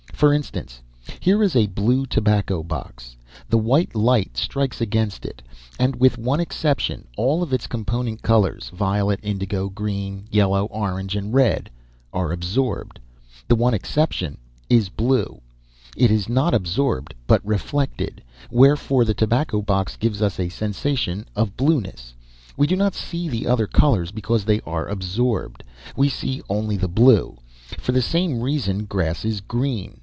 For instance, here is a blue tobacco box. The white light strikes against it, and, with one exception, all its component colors—violet, indigo, green, yellow, orange, and red—are absorbed. The one exception is BLUE. It is not absorbed, but reflected. Wherefore the tobacco box gives us a sensation of blueness. We do not see the other colors because they are absorbed. We see only the blue. For the same reason grass is GREEN.